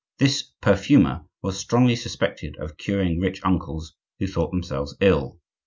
This perfumer was strongly suspected of curing rich uncles who thought themselves ill.